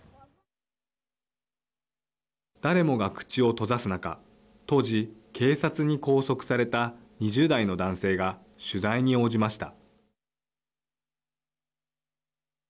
誰もが口を閉ざす中当時警察に拘束された２０代の男性が取材に応じました。